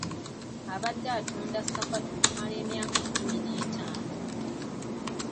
Abadde atunda ssapatu okumala emyaka kkumi n'etaano.